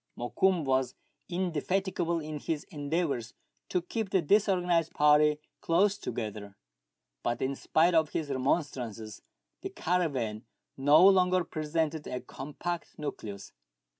Mokoum was indefatigable in his endeavours to keep the di^sorganized party close together ; but, in spite of his remonstrances, the caravan no longer presented a compact nucleus.